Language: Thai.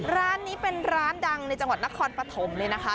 ร้านนี้เป็นร้านดังในจังหวัดนครปฐมเลยนะคะ